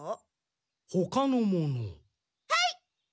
はい！